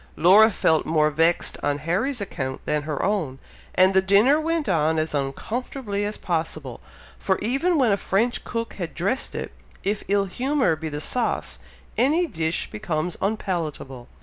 Laura felt more vexed on Harry's account than her own, and the dinner went on as uncomfortably as possible; for even when a French cook has dressed it, if ill humour be the sauce, any dish becomes unpalatable.